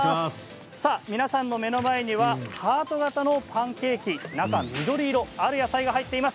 目の前にはハート形のパンケーキ中は緑色ある野菜が入っています。